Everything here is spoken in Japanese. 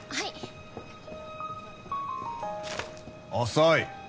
遅い。